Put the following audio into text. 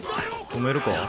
止めるか？